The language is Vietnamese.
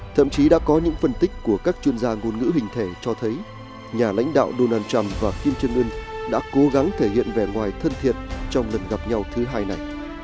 thậm chí đã có những phân tích của các chuyên gia ngôn ngữ hình thể cho thấy nhà lãnh đạo donald trump và kim trương ưn đã cố gắng thể hiện vẻ ngoài thân thiện trong lần gặp nhau thứ hai này